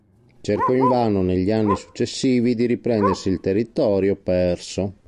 Cercò invano negli anni successivi di riprendersi il territorio perso.